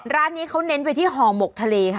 ร้านนี้เขาเน้นไปที่ห่อหมกทะเลค่ะ